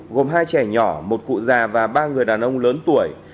gồm hai trẻ nhỏ một cụ già và ba người đàn ông lớn tuổi